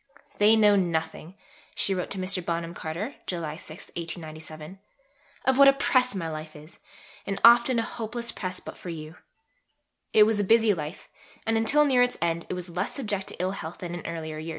"They know nothing," she wrote to Mr. Bonham Carter (July 6, 1897), "of what a press my life is, and often a hopeless press but for you." It was a busy life, and, until near its end, it was less subject to ill health than in earlier years.